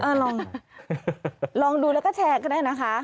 ลองลองดูแล้วก็แชร์ก็ได้นะคะ